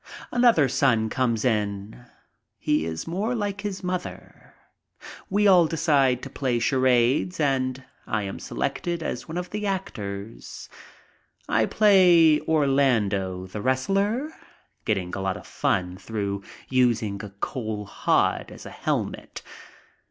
Another son comes in. He is more like his mother. We all decide to play charades and I am selected as one of the actors. I play Orlando, the wrestler, getting a lot of fun through using a coal hod as a helmet.